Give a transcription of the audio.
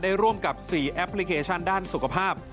ร่วมกับ๔แอปพลิเคชันด้านสุขภาพ